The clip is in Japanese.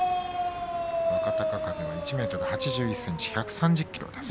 若隆景は１ｍ８１ｃｍ１３０ｋｇです。